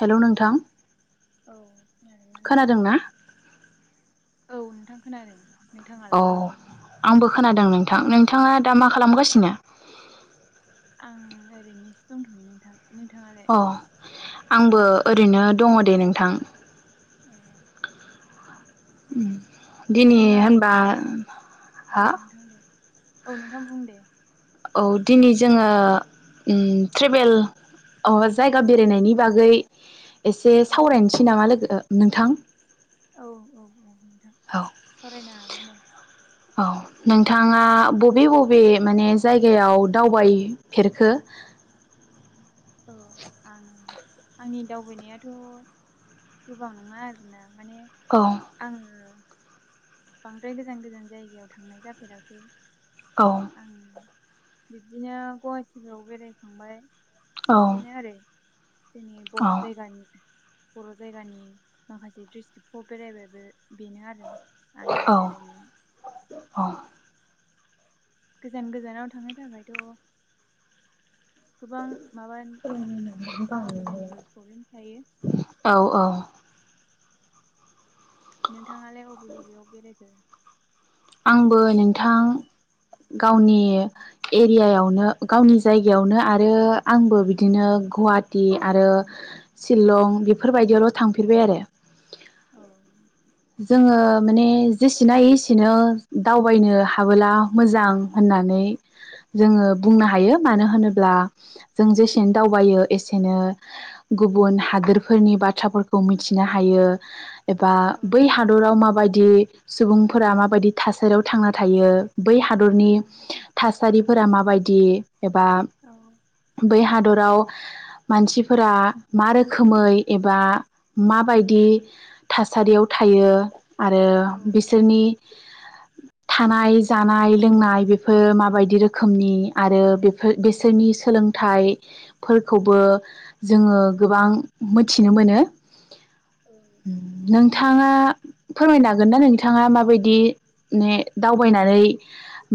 Hello नोंथां। औ खोनादों ना? नोंथां खोनादों। औ नोंथाङालाय? आंबो खोनादों नोंथां नोंथाङा दा मा खालामगासिनो? आं ओरैनोसो दंथयो नोंथां। नोंथाङालाय? अ आंबो ओरैनो दङ दे नोंथां। ओं उम नोंथाङा औ हा नोंथां दे औ नोंथां बुंदे। औ दिनै जोङो उम ट्रेभेल अ जायगा बेरायनायनि बागै एसे औ सावरायनोसै नामा लोगो नोंथां? औ औ औ नोंथां औ सावरायनो हागोन दे। औ नोंथाङा बबे बबे माने जायगायाव दावबायफेरखो? औ आं आंनि दावबायनायाथ' गोबाव नङा आरोना माने औ आङो बांद्राय गोजान गोजान जायगायाव थांनाय जाफेराखै। औ आं बिब्दिनो गुवाहाटिफ्राव बेरायखांबाय औ बिदिनो ओरै जोंनि औ बर' जायगानि बर' जायगानि माखासे डिस्ट्रिकखौ बेरायबाय बेनो आरो। आंनि बेरायनाय अ गोजान गोजानाव थांनो थाखायथ' गोबां माबा थाखा फैसानिबो प्रब्लेम थायो। औ औ। नोंथाङालाय अबे अबेयाव बेरायखो? आंबो नोंथां गावनि एरियायावनो गावनि जायगायावनो आरो आंबो बिदिनो गुवाहाटि आरो शिलं बेफोरबायदियावल' थांफेरबाय आरो। औ जोङो माने जेसेनो हायो एसेनो दावबायनो हाबोला मोजां होननानै जोङो बुंनो हायो मानो होनोब्ला जों औ जेसेनो दावबायो एसेनो गुबुन हादोरफोरनि बाथ्राफोरखौ मिथिनो हायो। एबा औ बै हादराव माबायदि सुबुंफोरा माबायदि थासारियाव थांना थायो? बै हादरनि थासारिफोरा माबायदि एबा औ बै हादराव मानसिफोरा मा रोखोमै एबा माबायदि थासारियाव थायो आरो औ बिसोरनि थानाय जानाय लोंनाय बेफोर माबायदि रोखोमनि आरो बे बेसोरनि सोलोंथाइ फोरखौबो जोङो गोबां मिथिनो मोनो। औ नोंथां नोंथाङा फोरमायनो हागोन ना नोंथाङा मा बायदि माने दावबायनानै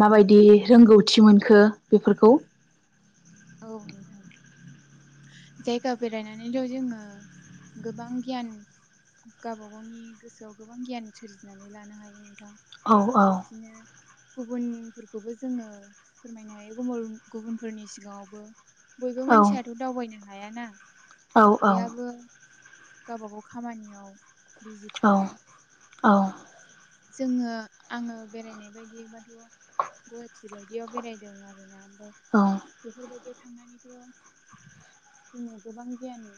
मा बायदि रोंगौथि मोनखो बेफोरखौ औ नोंथां जायगा बेरायनानैल' जोङो गोबां गियान गाबा गावनि गोसोआव गोबां गियान सोरजिनानै लानो हायो नोंथां। औ औ बिदिनो गुबुनफोरखौबो जोङो फोरमायनो हायो गुबु गुबुनफोरनि सिगाङावबो बयबो औ मानसियाथ' दावबायनो हायाना औ औ बयहाबो गावबा गाव खामानियाव बिजि औ थायो औ जोङो आङो बेरायनाय बायदिबाथ' गुवाहाटि बायदियाव बेरायदों आरोना ओमफ्राय औ बेफोरबायदियाव थांनानैथ' जोङो गोबां गियान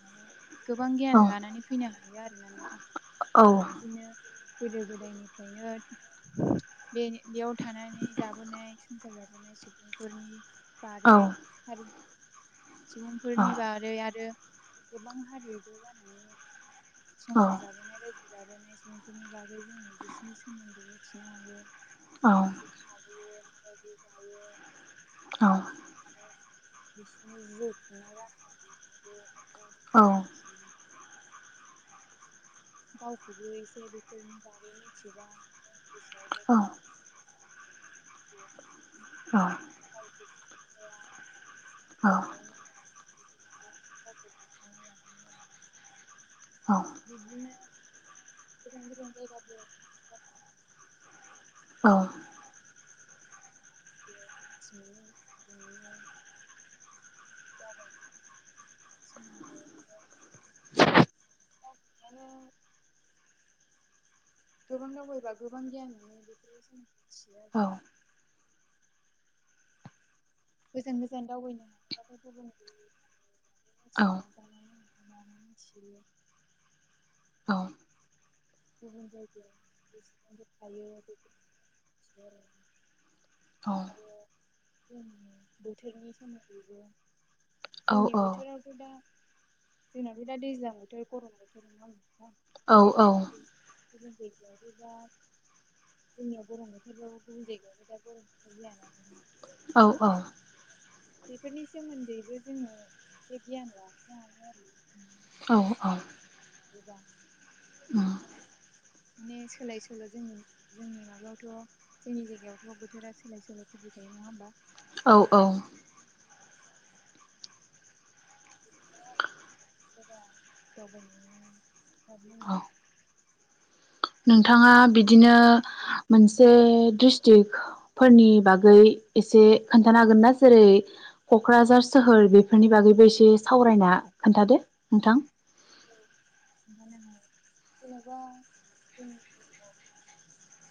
माने गोबां गियान लानानै फैनो हायो आरोना नोंथां बिब्दिनो गोदो गोदायनिफ्रायनो बे बेयाव थानानै जाबोनाय हासार लाबोनाय सुबुंफोरनि बारै हारि सुबुंफोरनि बारै आरो गोबां हारि ज' जानानै संसार जाबोनाय रायजो जाबोनाय सुबुंफोरनि बागै जोङो बिसोरनि सोमोन्दै मिथिनो हायो। औ बिदि थायो मा बायदि जायो औ आरो बिसोरनि जिउ खुंनाय राहाया मा बायदि बेफोर औ [inaudible] गावखौबो एसे बेफोरनि बागै मिथिबा गावनि गोसोआवबो गोबां [inaudible] औ औ दखानिफ्राय लाबोयो आरो ना औ बिदिनो गोजान गोजान जायगा बेरायनो माखासे औ [unintelligible] माखासे मिथियो बिदिनो जावाय सिगांग्रो माने रावबो गैयानो गोबां दावबायबा गोबां गियान मोनो बेखौ जों मिथियो आरो गोजान गोजान दावबायनो हायोबाथाय गुबुन गुबननि बागै मिथियो। संनानै जानानै मिथियो। औ गुबुन जायगायाव जेसेबांफोर थायो बे मिथियो आरो आरो जोंनि बोथोरनि सोमोन्दैबो जोंनि बोथोरावथ' दा जोंनाथ' दा दैज्लां बोथोर गरम बोथोर नङा होनबा? औ औ ज गयावबा [unintelligible] जोंनियाव गरम बोथोरबाबो गुबुन जायगायाव दा गरम बोथोर जायाना। औ औ बेफोरनि सोमोन्दैबो जोङो एसे गियान लाखिनो हायो आरो औ औ एबा [unintelligible] माने सोलाय सोल' जोंनि जोंनि माबायावथ' जोंनि जायगायावथ' बोथोरा सोलाय सोल' फैबाय थायो नङा होमबा? औ औ [unintelligible] दावबायनायनि खोथा बुङोब्ला नोंथाङा बिदिनो मोनसे डिस्ट्रिक फोरनि बागै एसे खोन्थानो हागोन ना जेरै क'क्राझार सोहोर बेफोरनि बागैबो एसे सावरायना खोन्थादो नोंथां। औ खोनथानो हायो जेनेबा जोंनि [unintelligible]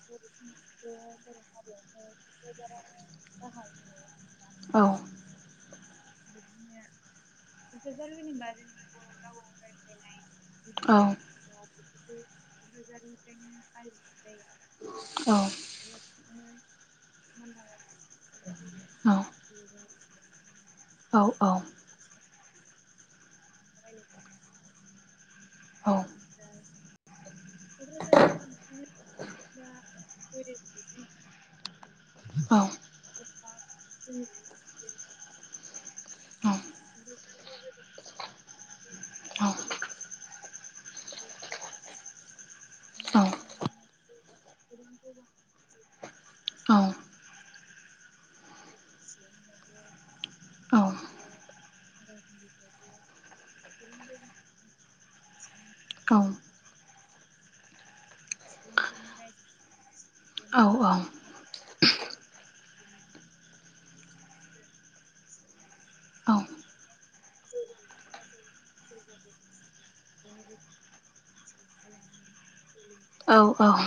बर' समाजखौ बर' हारियाबो [unintelligible] औ बिब्दिनो क'क्राझार होनबा जोंनि बर' रावआव रायज्लायनाय गुदि औ [unintelligible] बेफोरखौ क'क्राझारनिफ्रायनो आरजिनाय जायो औ [unintelligible] औ [unintelligible] औ औ [unintelligible] औ ओमफ्राय कक्राझारावथ' बिब्दिनो दा [unintelligible] औ [unintelligible] [unintelligible] बांद्राय डेभेलप नङामोन आरो ओमफ्राय जौगानाय गोबां बिथिङावहाय जौगानाय [unintelligible] [unintelligible] [unintelligible] गोबां जौगागासिनो सुबुंफोरनि रायजो सुबुं [unintelligible] उ [inaudible] जौगानायनिफ्राय जों जौगाबोनसि [unintelligible] सोलोंथाय लानाय औ औ औ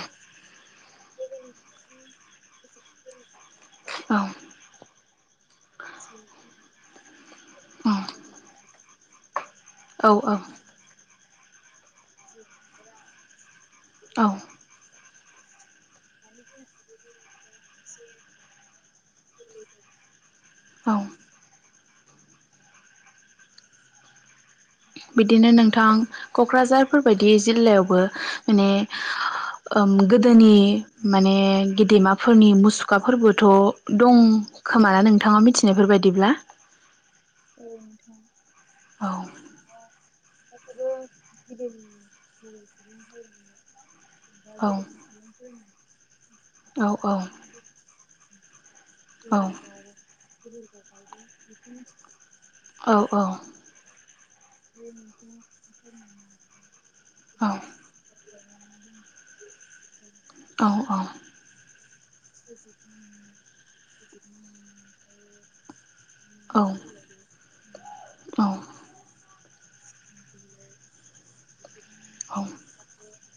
[unintelligible] [unintelligible] औ सोलोंथाय लानाय [unintelligible] औ औ [unintelligible] [unintelligible] गोरलै जायो औ जों बिदिनो नोंथां क'क्राझारफोरबायायदि जिल्लायावबो माने ओम गोदोनि माने गेदेमाफोरनि मुसुखाफोरबोथ' दं खोमा ना नोंथाङा मिथिनायफोर बायदिब्ला औ नोंथां औ [unintelligible] [inaudible] गेदेमा औ सुबुंफोरनि औ मुसुखाफोर बानायनानै औ दोननाय [unintelligible] औ औ बे मोनसे मोन [unintelligible] औ [unintelligible] औ औ [unintelligible] औ [unintelligible] [unintelligible]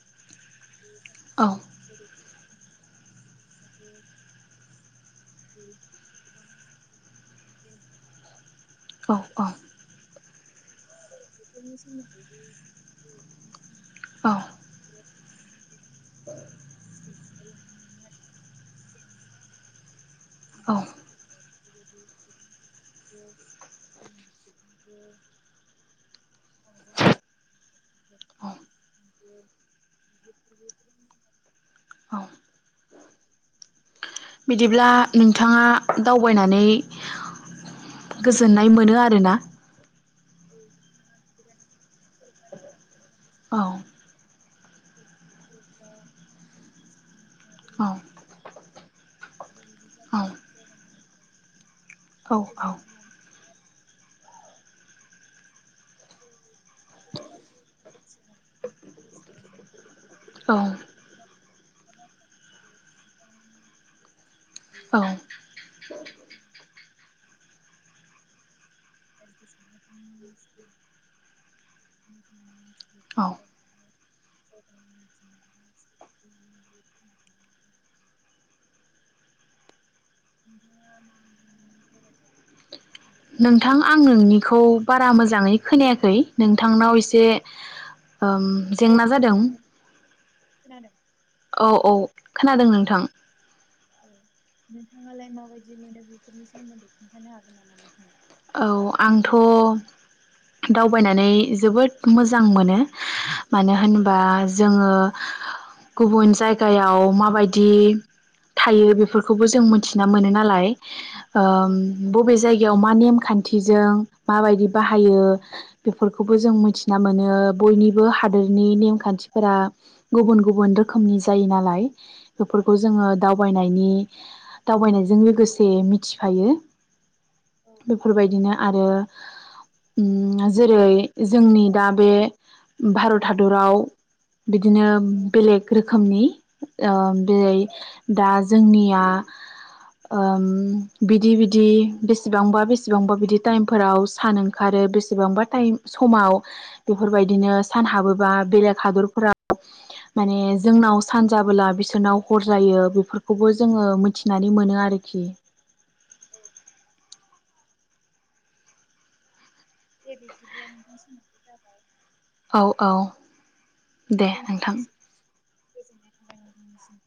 [unintelligible] आरो [unintelligible] औ औ ज बेफोरनि सोमोन्दैबोफोरनि थांनानै [unintelligible] [unintelligible] औ [unintelligible] [unintelligible] औ [unintelligible] औ बिदिब्ला नोंथाङा दावबायनानै गोजोननाय मोनो आरोना [unintelligible] औ औ [unintelligible] औ [unintelligible] औ [unintelligible] औ [unintelligible] [unintelligible] [unintelligible] औ [unintelligible] [unintelligible] [unintelligible] नोंथां आं नोंनिखौ बारा मोजाङै खोनायाखै नोंथांनाव एसे ओम औ जेंना जादों नोंथां खोनादों औ औ खोनादों नोंथां औ नोंथाङालाय माबायदि मोनो बेफोरनि सोमोन्दै खोन्थानो हागोन नामा नोंथाङा? अ' आंथ' दावबायनानै जोबोद मोजां मोनो। मानो होनबा जोङो गुबुन जायगायाव माबायदि थायो बेफोरखौबो जों मोनथिना मोनो नालाय औ ओम नोंथां। बबे जायगायाव मा नेमखान्थिजों माबायदि बाहायो बेफोरखौबो जों मोनथिना मोनो बयनिबो हादोरनि नेमखान्थिफोरा गुबुन गुबुन रोखोमनि जायो नालाय बेफोरखौ जोङो दावबायनायनि दावबायनायजों लोगोसे मिथिफायो औ बेफोरबायदिनो आरो उम ना जेरै जोंनि दा बे भारत हादराव बिदिनो औ बेलेग रो खोमनि ओ दोरै दा जोंनिया ओम बिदि बिदि बेसेबांबा बे सेबांबा बिदि टाइमफोराव सान ओंखारो बेसेबांबा टाइम समाव बेफोरबायदिनो सान हाबोबा बेलेग हादरफोराव माने जोंनाव सान जाबोला बिसोरनाव हर जायो बेफोरखौबो जोङो मिथिनानै मोनो आरोखि औ दे बिब्दिब्ला नोंथां समावबो जाबाय औ औ दे नोंथां दोनथ'नोसै गोजोननाय थाबाय नोंथांनिसिम